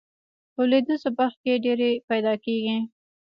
په لویدیځو برخو کې ډیرې پیداکیږي.